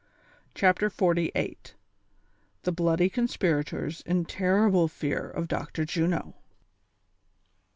" CHAPTEll XLYIII. THE BLOODY CONSPIRATORS IN TERRIBLE FEAR OF DR. JUNO.